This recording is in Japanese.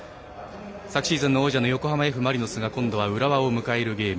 昨シーズンの王者の横浜Ｆ・マリノスが今度は浦和を迎えるゲーム。